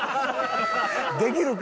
できるか！